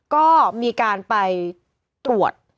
ก็มีการไปตรวจ